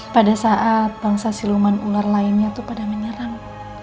pada saat bangsa siluman ular lainnya itu pada menyerang